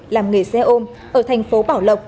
làm nghề xe ôm ở thành phố bảo lộc